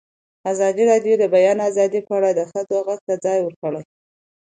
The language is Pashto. ازادي راډیو د د بیان آزادي په اړه د ښځو غږ ته ځای ورکړی.